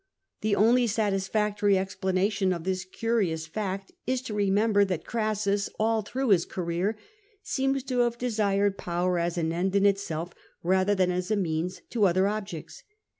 The only satisfactory explanation of this curious fact is to remember that Crassus, all through his career, seems to have desired power as an end in itself rather than as a means to other objects.